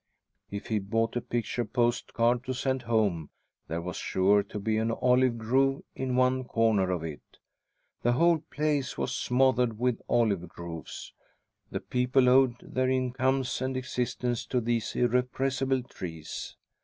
If he bought a picture postcard to send home, there was sure to be an olive grove in one corner of it. The whole place was smothered with olive groves, the people owed their incomes and existence to these irrepressible trees.